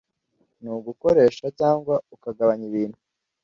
ni ugukoresha cyangwa ukugabanya ibintu